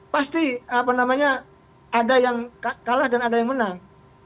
pasti apa namanya ada yang kalah dan ada yang menang